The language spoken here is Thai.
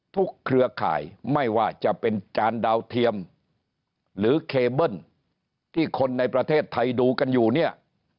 เครือข่ายไม่ว่าจะเป็นจานดาวเทียมหรือเคเบิ้ลที่คนในประเทศไทยดูกันอยู่เนี่ย